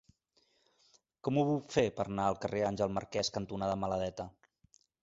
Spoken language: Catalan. Com ho puc fer per anar al carrer Àngel Marquès cantonada Maladeta?